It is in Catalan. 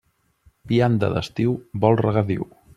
Vianda d'estiu vol regadiu.